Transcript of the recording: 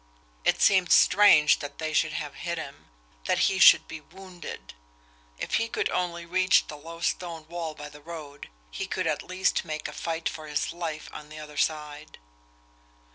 It seemed strange that they should have hit him, that he should be wounded! If he could only reach the low stone wall by the road, he could at least make a fight for his life on the other side!